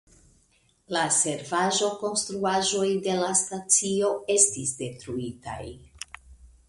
La servaĵokonstruaĵoj de la stacio estis detruitaj.